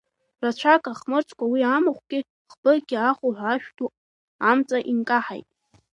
Рацәак ахмырҵкәа уи амахәгьы хбыкьны ахуҳәа ашә ду амҵа инкаҳаит.